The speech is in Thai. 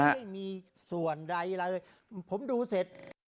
ไม่มีส่วนใดอะไรเลยผมดูเสร็จ